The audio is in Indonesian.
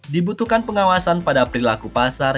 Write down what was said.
dibutuhkan pengawasan pada perilaku pasar